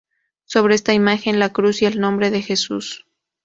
Sobre esta imagen la cruz y el nombre de Jesús.